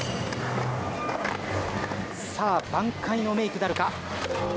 さあ、挽回のメークなるか。